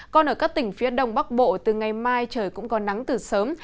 còn ở các tỉnh phía đông bắc bộ từ ngày mai trời cũng có nắng từ sớm